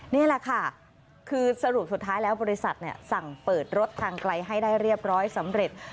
นี่แหละค่ะคือสรุปสุดท้ายแล้วบริษัทสั่งเปิดรถทางไกลให้ได้เรียบร้อยสำเร็จ